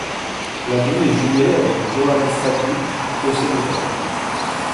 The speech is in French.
La ville est jumelée avec Joal-Fadiouth au Sénégal.